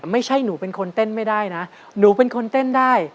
ไม่ใช่หนูเป็นคนเต้นไม่ได้นะหนูเป็นคนเต้นได้